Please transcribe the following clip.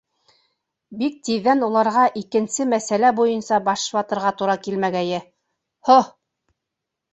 Бик тиҙҙән уларға икенсе мәсьәлә буйынса баш ватырға тура килмәгәйе. һо-о!